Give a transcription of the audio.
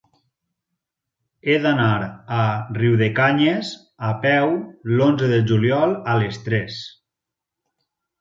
He d'anar a Riudecanyes a peu l'onze de juliol a les tres.